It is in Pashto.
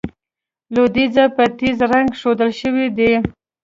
لوېدیځه په تېز رنګ ښودل شوي دي.